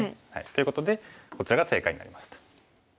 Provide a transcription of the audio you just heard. ということでこちらが正解になりました。